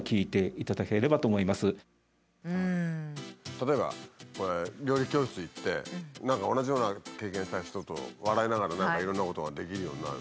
例えば料理教室行って何か同じような経験した人と笑いながら何かいろんなことができるようになる。